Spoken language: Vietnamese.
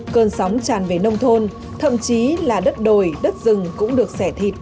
cơn sóng tràn về nông thôn thậm chí là đất đồi đất rừng cũng được xẻ thịt